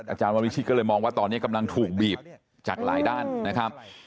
อาจารย์ววิชิตก็เลยมองว่าตอนนี้กำลังถูกบีบจากหลายด้านนะครับ